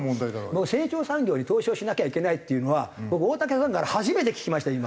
僕成長産業に投資をしなきゃいけないっていうのは僕大竹さんから初めて聞きました今。